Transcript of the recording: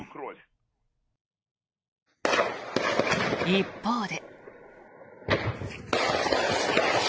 一方で。